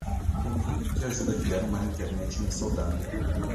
Confira o que ajuda a criar uma Internet mais saudável.